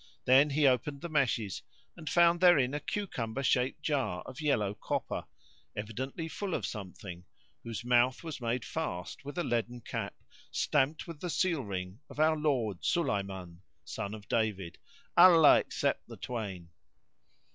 Then he opened the meshes and found therein a cucumber shaped jar of yellow copper,[FN#65] evidently full of something, whose mouth was made fast with a leaden cap, stamped with the seal ring of our Lord Sulayman son of David (Allah accept the twain!).